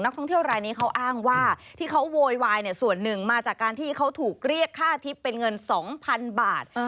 ท่องเที่ยวรายนี้เขาอ้างว่าที่เขาโวยวายเนี่ยส่วนหนึ่งมาจากการที่เขาถูกเรียกค่าทิพย์เป็นเงิน๒๐๐๐บาท